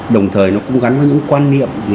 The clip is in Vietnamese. đồng thời nó cũng gắn với những quan niệm